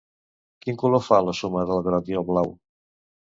Quin color fa la suma de groc i blau?